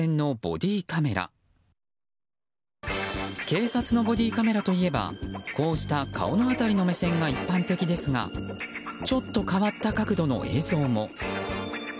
警察のボディーカメラといえばこうした顔の辺りの目線が一般的ですがちょっと変わった角度の映像も。